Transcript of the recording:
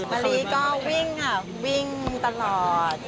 อันนี้ก็วิ่งครับวิ่งตลอด